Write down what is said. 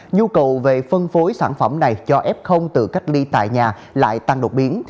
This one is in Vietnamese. nhu cầu về phân phối sản phẩm này cho f tự cách ly tại nhà lại tăng đột biến